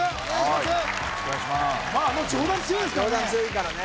まあもう上段強いですからね